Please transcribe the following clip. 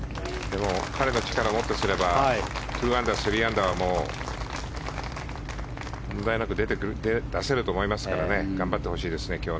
彼の力をもってすれば２アンダー、３アンダーは問題なく出せると思いますから頑張ってほしいですね、今日。